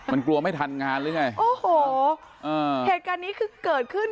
มันกลัวไม่ทันงานรึไงโอ้โหเหตุการณ์นี้เกิดขึ้นคืน